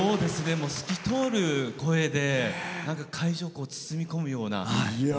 透き通る声で会場、包み込むような。